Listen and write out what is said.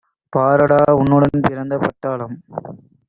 பாரடா உன்னுடன் பிறந்த பட்டாளம்!